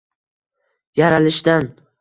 Yaralishdan